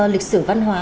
lịch sử văn hóa